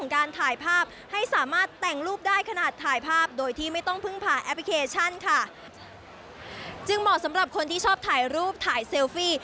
ของการถ่ายภาพให้สามารถแต่งรูปได้ขนาดถ่ายภาพโดยที่ไม่ต้องพึ่งผ่านแอพพลิเคชันค่ะจึงเหมาะสำหรับคนที่ชอบถ่ายรูปถ่ายเซลฟี่